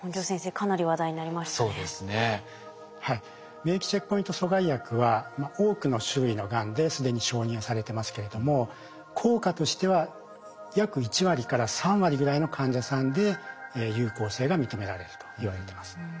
免疫チェックポイント阻害薬は多くの種類のがんで既に承認をされてますけれども効果としては約１割から３割ぐらいの患者さんで有効性が認められるといわれてます。